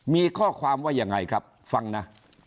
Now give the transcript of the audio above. มีข้อความว่ายังไงครับฟังนะ